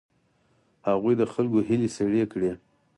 هغوی د خلکو هیلې سړې کړې.